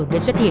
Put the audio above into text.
đã xuất hiện